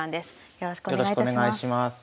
よろしくお願いします。